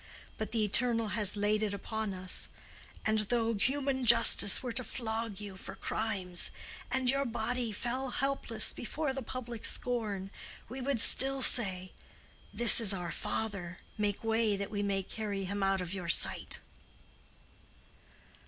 But the Eternal has laid it upon us; and though human justice were to flog you for crimes, and your body fell helpless before the public scorn, we would still say, 'This is our father; make way, that we may carry him out of your sight.